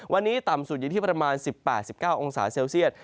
วันนี้ต่ำสุดอยู่ที่ประมาณ๑๘๑๙องศาเซลเซียต